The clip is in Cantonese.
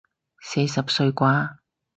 四十歲啩